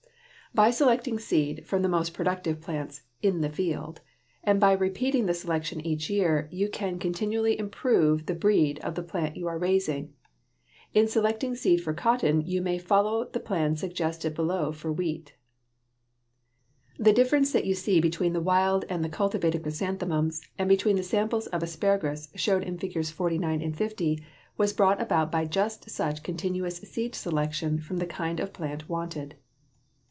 By selecting seed from the most productive plants in the field and by repeating the selection each year, you can continually improve the breed of the plant you are raising. In selecting seed for cotton you may follow the plan suggested below for wheat. [Illustration: FIGS. 49 AND 50. CHRYSANTHEMUMS AND ASPARAGUS] The difference that you see between the wild and the cultivated chrysanthemums and between the samples of asparagus shown in Figs. 49 and 50 was brought about by just such continuous seed selection from the kind of plant wanted.